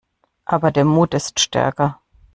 Aber der Mut ist stärker.